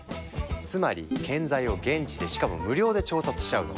つまり建材を現地でしかも無料で調達しちゃうの。